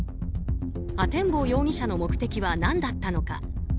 阿天坊容疑者の目的は何だったのか。